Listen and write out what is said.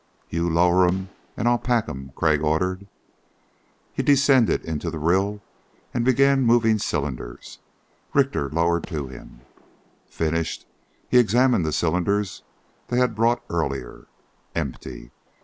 "You lower 'em and I'll pack 'em." Crag ordered. He descended into the rill and began moving the cylinders Richter lowered to him. Finished, he examined the cylinders they had brought earlier. Empty!